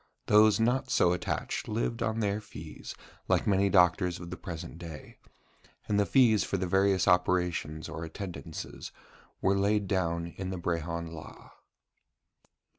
Those not so attached lived on their fees, like many doctors of the present day: and the fees for the various operations or attendances were laid down in the Brehon Law.